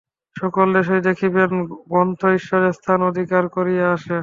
সকল দেশেই দেখিবেন, গ্রন্থ ঈশ্বরের স্থান অধিকার করিয়া বসে।